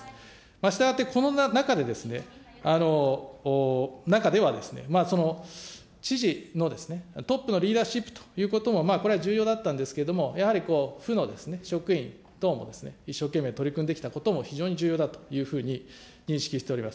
したがってこの中で、中ではですね、知事のトップのリーダーシップということもこれは重要だったんですけれども、やはり府の職員等も一生懸命取り組んできたことも非常に重要だというふうに認識しております。